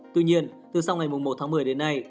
tuy nhiên từ sau ngày một tháng một mươi đến nay